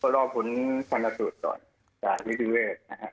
รอผลสัญลักษูติก่อนจากมิจิเวส